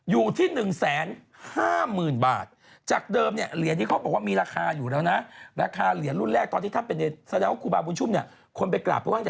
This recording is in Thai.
อยู่ที่หนึ่งแสนห้าหมื่นบาท